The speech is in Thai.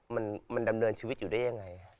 มันดำเนินชีวิตอยู่ได้ยังไง